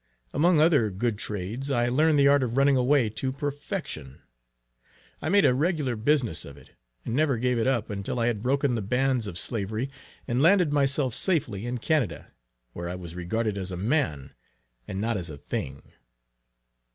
Among other good trades I learned the art of running away to perfection. I made a regular business of it, and never gave it up, until I had broken the bands of slavery, and landed myself safely in Canada, where I was regarded as a man, and not as a thing.